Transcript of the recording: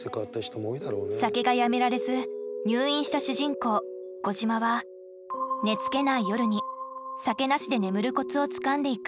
酒がやめられず入院した主人公小島は寝つけない夜に酒なしで眠るコツをつかんでいく。